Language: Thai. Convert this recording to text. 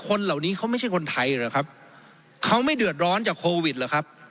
คนเหล่านี้เขาไม่ใช่คนไทยเหรอครับเขาไม่เดือดร้อนจากโควิดเหรอครับ